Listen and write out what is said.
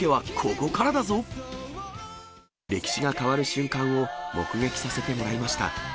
歴史が変わる瞬間を目撃させてもらいました。